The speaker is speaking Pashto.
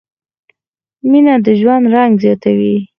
مینه د ژوند رنګ زیاتوي.